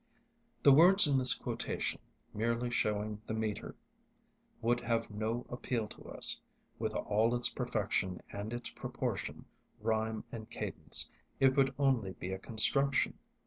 The words in this quotation, merely showing the metre, would have no appeal to us; with all its perfection and its proportion, rhyme and cadence, it would only be a construction.